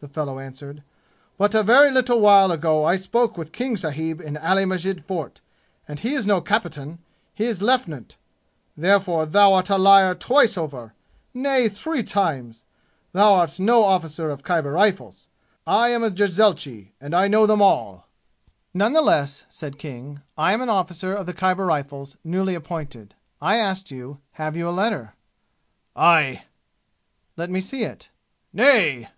the fellow answered. "But a very little while ago I spoke with King sahib in Ali Masjid Fort, and he is no cappitin, he is leftnant. Therefore thou art a liar twice over nay, three times! Thou art no officer of Khyber Rifles! I am a jezailchi, and I know them all!" "None the less," said King, "I am an officer of the Khyber Rifles, newly appointed. I asked you, have you a letter?" "Aye!" "Let me see it." "Nay!"